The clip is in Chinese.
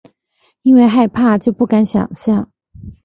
因为害怕就不敢想像